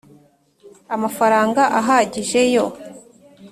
amafaranga ahagije yo